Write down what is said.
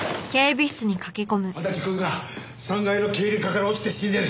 足立くんが３階の経理課から落ちて死んでる。